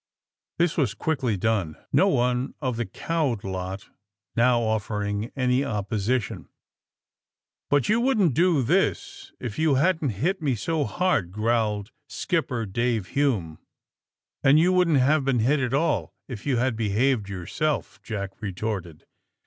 This was quickly done, no one of the cowed lot now offering any opposition. *^But you wouldn't do this if you hadn't hit me so hard," growled Skipper Dave Hume. And you wouldn't have been hit at all, if you had behaved yourself," Jack retorted.